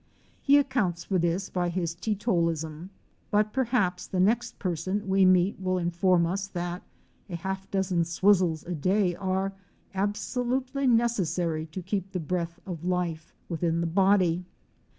He accounts for this by his teeto talism, but perhaps the next person we mect will inform us that a half dozen swizzles a day are absolutely necessary to keep the breath of life within the body!